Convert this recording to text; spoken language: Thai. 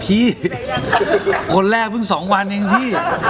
พี่คนแรกเพิ่ง๒วันเองพี่